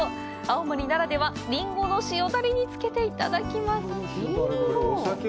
青森ならではリンゴの塩だれにつけていただきます！